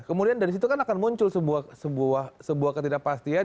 kemudian dari situ kan akan muncul sebuah ketidakpastian